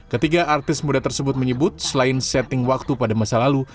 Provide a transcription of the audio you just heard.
ketiga artis muda tersebut menyebut selain setting waktu pada masa lalu